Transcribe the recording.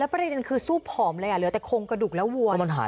แล้วประเด็นคือซูบผอมเลยเหลือแต่โคงกระดุกแล้ววัว